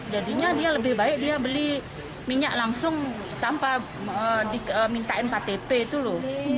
jadinya dia lebih baik dia beli minyak langsung tanpa diminta nktp itu loh